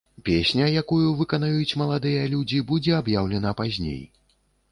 Песня, якую выканаюць маладыя людзі, будзе аб'яўлена пазней.